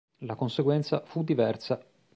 La conseguenza fu diversa.